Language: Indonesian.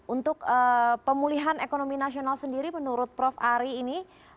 untuk pemulihan ekonomi nasional sendiri menurut prof ari ini